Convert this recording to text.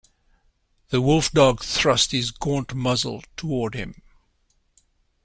The wolf-dog thrust his gaunt muzzle toward him.